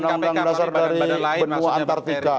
undang undang dasar dari benua antartika